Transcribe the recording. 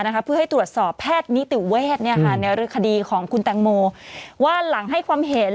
นะคะเพื่อให้ตรวจสอบแพทย์นิติเวฎเนี่ยค่ะในราคาดีของคุณว่าหลังให้ความเห็น